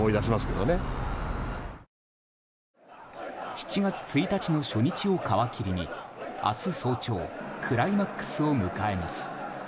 ７月１日の初日を皮切りに明日早朝クライマックスを迎えます。